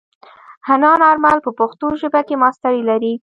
حنان آرمل په پښتو ژبه کې ماسټري لري.